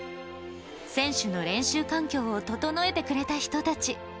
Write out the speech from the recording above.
選手の練習環境を整えてくれた人たち。